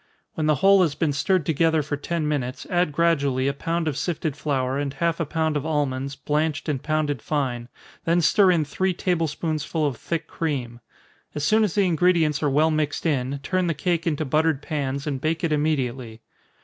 When the whole has been stirred together for ten minutes, add gradually a pound of sifted flour, and half a pound of almonds, blanched and pounded fine, then stir in three table spoonsful of thick cream. As soon as the ingredients are well mixed in, turn the cake into buttered pans, and bake it immediately.